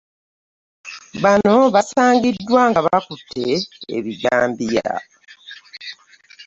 Bano baasangiddwa nga bakutte ebijambiya